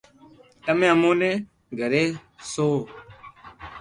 تمي اموني گھري سوھو